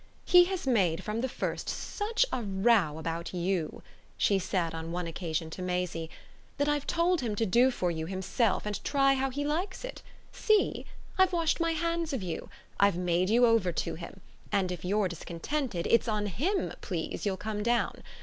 "He has made from the first such a row about you," she said on one occasion to Maisie, "that I've told him to do for you himself and try how he likes it see? I've washed my hands of you; I've made you over to him; and if you're discontented it's on him, please, you'll come down.